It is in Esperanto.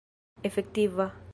efektiva